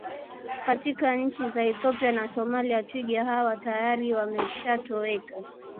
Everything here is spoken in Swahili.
katika nchi za Ethiopia na Somalia twiga hawa tayari wamesha toweka